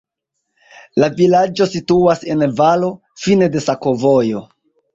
La vilaĝo situas en valo, fine de sakovojo.